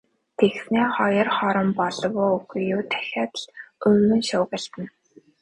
Тэгснээ хоёр хором болов уу, үгүй юу дахиад л үймэн шуугилдана.